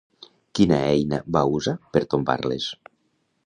Quina eina va usar per tombar-les?